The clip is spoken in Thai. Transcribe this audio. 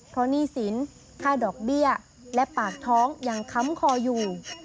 เพราะหนี้สินค่าดอกเบี้ยและปากท้องยังค้ำคออยู่